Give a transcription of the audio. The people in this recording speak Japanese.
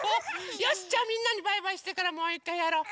よしじゃあみんなにバイバイしてからもういっかいやろう！